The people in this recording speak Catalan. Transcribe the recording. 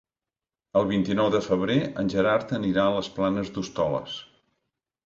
El vint-i-nou de febrer en Gerard anirà a les Planes d'Hostoles.